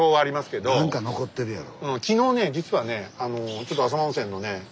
何か残ってるやろ。